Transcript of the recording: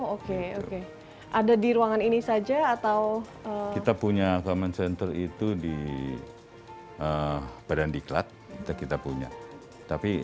oke oke ada di ruangan ini saja atau kita punya common center itu di badan diklat kita punya tapi